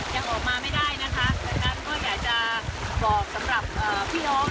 ยังออกมาไม่ได้นะคะดังนั้นก็อยากจะบอกสำหรับพี่น้อง